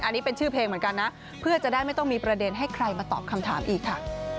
อันนี้เป็นชื่อเพลงเหมือนกันนะเพื่อจะได้ไม่ต้องมีประเด็นให้ใครมาตอบคำถามอีกค่ะ